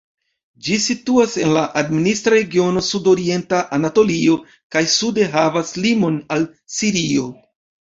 Ĝi situas en la administra regiono Sudorienta Anatolio, kaj sude havas limon al Sirio.